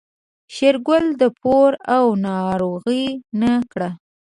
شېرګل د پور او ناروغۍ نه کړه.